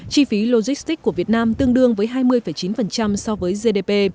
chi phí logistics của việt nam tương đương với hai mươi chín so với gdp